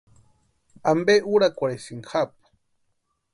¿Ampe úrakwarhisïnki japu?